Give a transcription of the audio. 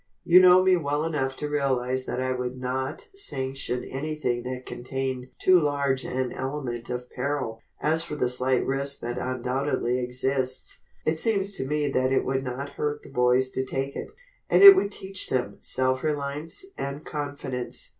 You know me well enough to realize that I would not sanction anything that contained too large an element of peril. As for the slight risk that undoubtedly exists, it seems to me that it would not hurt the boys to take it, and it would teach them self reliance and confidence."